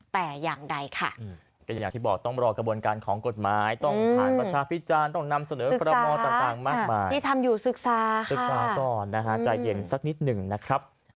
แต่อย่างใดค่ะ